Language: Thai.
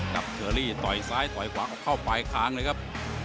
เชอรี่ต่อยซ้ายต่อยขวาเข้าปลายคางเลยครับ